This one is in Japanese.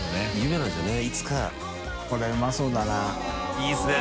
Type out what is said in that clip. いいですね。